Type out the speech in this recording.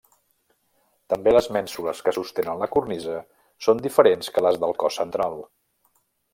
També les mènsules que sostenen la cornisa són diferents que les del cos central.